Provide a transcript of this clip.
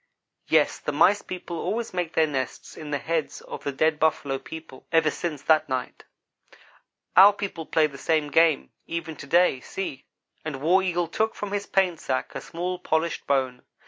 Yes the Mice people always make their nests in the heads of the dead Buffalo people, ever since that night. "Our people play the same game, even to day. See," and War Eagle took from his paint sack a small, polished bone.